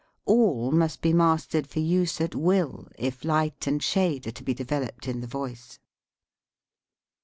All must be mastered for use at will if light and shade are to be developed in the voice.